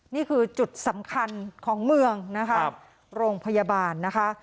นี่คือจุดสำคัญของเมืองนะคะโรงพยาบาลนะคะ